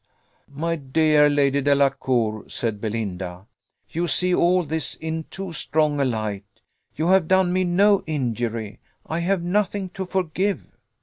"My dear Lady Delacour," said Belinda, "you see all this in too strong a light: you have done me no injury I have nothing to forgive."